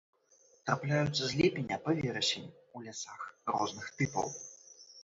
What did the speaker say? Трапляюцца з ліпеня па верасень у лясах розных тыпаў.